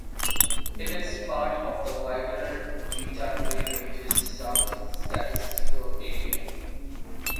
It is part of the wider Waitakere Ranges South statistical area.